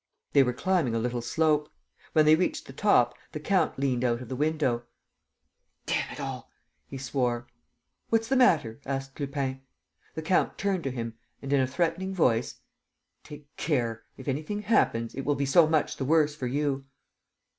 They were climbing a little slope. When they reached the top, the count leant out of the window: "Damn it all!" he swore. "What's the matter?" asked Lupin. The count turned to him and, in a threatening voice: "Take care! If anything happens, it will be so much the worse for you."